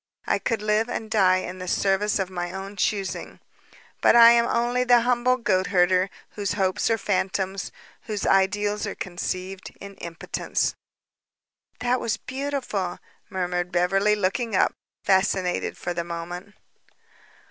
I could live and die in the service of my own choosing. But I am only the humble goat hunter whose hopes are phantoms, whose ideals are conceived in impotence." "That was beautiful," murmured Beverly, looking up, fascinated for the moment.